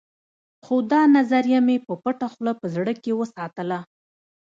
خو دا نظريه مې په پټه خوله په زړه کې وساتله.